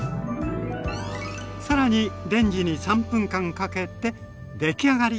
さらにレンジに３分間かけてできあがり。